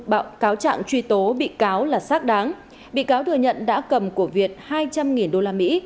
bạo cáo trạng truy tố bị cáo là xác đáng bị cáo thừa nhận đã cầm của việt hai trăm linh đô la mỹ